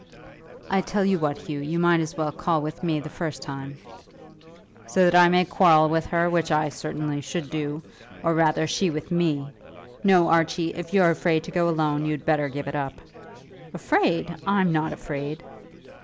"I tell you what, Hugh, you might as well call with me the first time." "So that I may quarrel with her, which I certainly should do, or, rather, she with me. No, Archie; if you're afraid to go alone, you'd better give it up." "Afraid! I'm not afraid!"